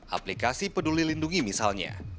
aplikasi peduli lindungi misalnya